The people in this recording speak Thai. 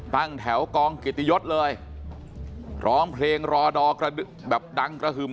ตั้งแถวกองเกียรติยศเลยร้องเพลงรอดอกระแบบดังกระหึ่ม